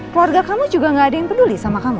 keluarga kamu juga gak ada yang peduli sama kamu